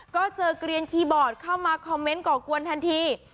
ก็เจอเกลียนคีย์บอร์ดเข้ามาคอมเมนต์ก่อกวนทันที